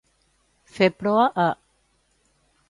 Fer proa a.